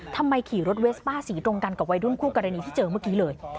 ขี่รถเวสป้าสีตรงกันกับวัยรุ่นคู่กรณีที่เจอเมื่อกี้เลย